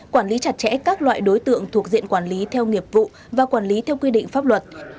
quản lý chặt chẽ các loại đối tượng thuộc diện quản lý theo nghiệp vụ và quản lý theo quy định pháp luật